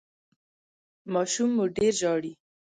ماشوم مو ډیر ژاړي؟